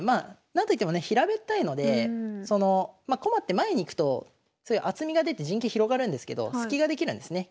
何といってもね平べったいので駒って前に行くと厚みが出て陣形広がるんですけど隙ができるんですね